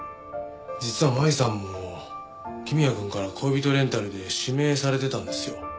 実は舞さんも公也くんから恋人レンタルで指名されてたんですよ。